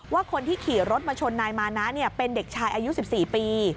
ว่าคนที่ขี่รถมาชนนายมานะเป็นเด็กชายอายุ๑๔ปี